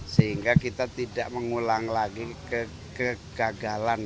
sehingga kita tidak mengulang lagi ke gagalan